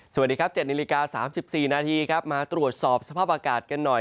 สวัสดีครับ๗นาฬิกา๓๔นาทีครับมาตรวจสอบสภาพอากาศกันหน่อย